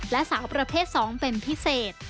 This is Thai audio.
และสาวประเภท๒เป็นพิเศษ